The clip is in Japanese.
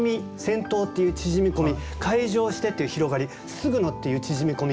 「すぐの」っていう縮み込み。